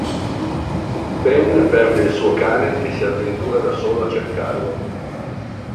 Ben perde il suo cane e si avventura da solo a cercarlo.